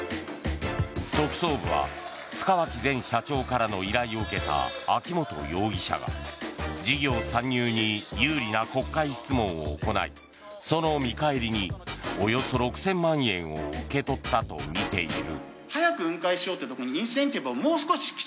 特捜部は塚脇前社長からの依頼を受けた秋本容疑者が事業参入に有利な国会質問を行いその見返りにおよそ６０００万円を受け取ったとみている。